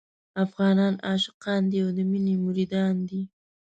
افغانان عاشقان دي او د مينې مريدان دي.